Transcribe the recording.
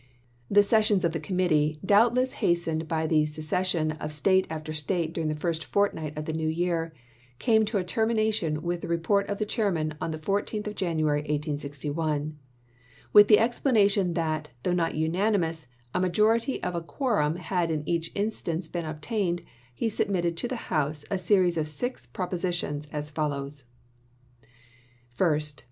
The sessions of the Committee, doubtless has tened by the secession of State after State during the first fortnight of the new year, came to a ter mination with the report of the chairman on the 14th of January, 1861. With the explanation that, though not unanimous, a majority of a quorum had in each instance been obtained, he submitted to the House a series of six propositions, as follows : First.